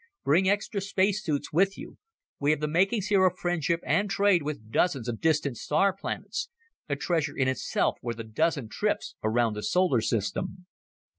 Bring extra space suits with you. We have the makings here of friendship and trade with dozens of distant star planets a treasure in itself worth a dozen trips around the solar system."